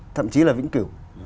thậm chí là vĩnh cửu